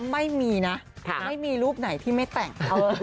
ไม่มีรูปไหนที่ไม่แต่ง